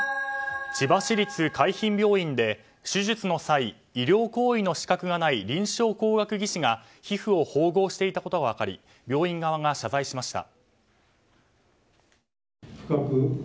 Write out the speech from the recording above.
千葉市立海浜病院で、手術の際医療行為の資格がない臨床工学技士が皮膚を縫合していたことが分かり病院側が謝罪しました。